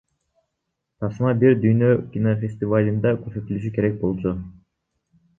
Тасма Бир Дүйнө кинофестивалында көрсөтүлүшү керек болчу.